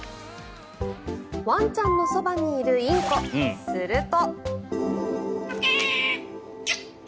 ワンちゃんのそばにいるインコ、すると。